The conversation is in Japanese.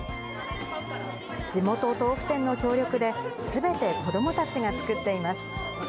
地元豆腐店の協力で、すべて子どもたちが作っています。